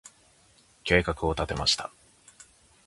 計画を立てました。